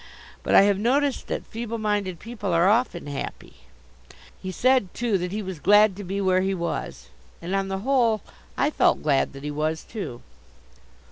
But I have noticed that feeble minded people are often happy. He said, too, that he was glad to be where he was; and on the whole I felt glad that he was too.